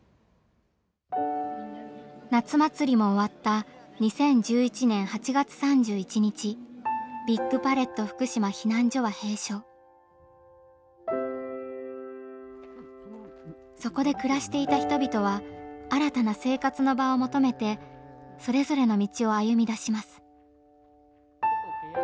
夏祭りも終わったそこで暮らしていた人々は新たな生活の場を求めてそれぞれの道を歩みだします。